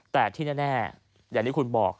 แต่ที่แน่อย่างที่คุณบอก